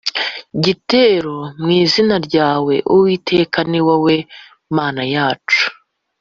gitero mu izina ryawe Uwiteka ni wowe Mana yacu